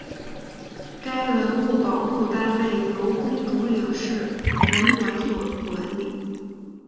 该文物保护单位由公主岭市文管所管理。